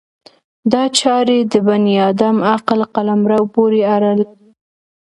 دا چارې د بني ادم عقل قلمرو پورې اړه لري.